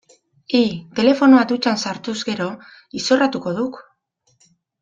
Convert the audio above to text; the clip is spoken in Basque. Hi, telefonoa dutxan sartuz gero, izorratuko duk.